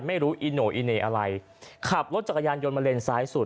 ไม่รู้อีโน่อีเหน่อะไรขับรถจักรยานยนต์มาเลนซ้ายสุด